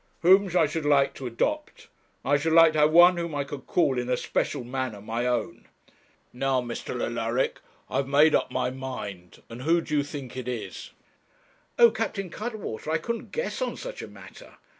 'Whom I should like to adopt. I should like to have one whom I could call in a special manner my own. Now, Mr. Alaric, I have made up my mind, and who do you think it is?' 'Oh! Captain Cuttwater, I couldn't guess on such a matter.